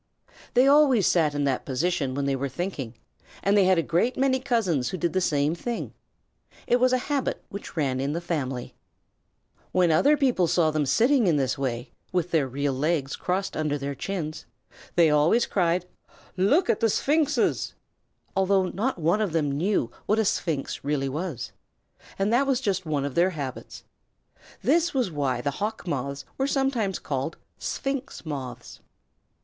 They always sat in that position when they were thinking, and they had a great many cousins who did the same thing. It was a habit which ran in the family. When other people saw them sitting in this way, with their real legs crossed under their chins, they always cried: "Look at the Sphinxes!" although not one of them knew what a Sphinx really was. And that was just one of their habits. This was why the Hawk Moths were sometimes called Sphinx Moths.